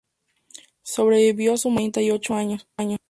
Sobrevivió a su "marido" treinta y ocho años.